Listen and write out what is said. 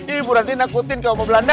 ihh bu ranti nakutin kalau ngomong belanda